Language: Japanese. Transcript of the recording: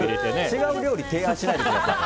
違う料理提案しないで下さいよ。